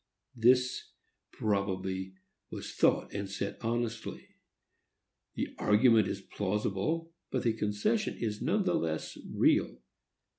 This, probably, was thought and said honestly. The argument is plausible, but the concession is none the less real.